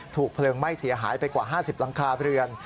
ถูกเพลิงไหม้เสียหายไปกว่า๕๐รังคาเพลิน